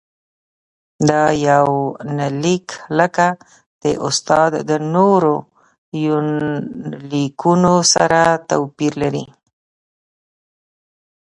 دا يونليک لکه د استاد د نورو يونليکونو سره تواپېر لري.